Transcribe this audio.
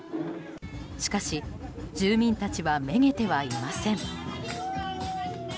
しかし住民たちはめげてはいません。